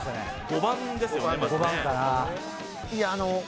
５番ですよね